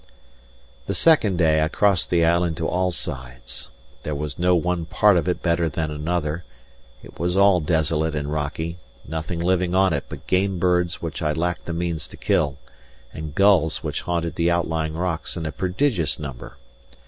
The second day I crossed the island to all sides. There was no one part of it better than another; it was all desolate and rocky; nothing living on it but game birds which I lacked the means to kill, and the gulls which haunted the outlying rocks in a prodigious number.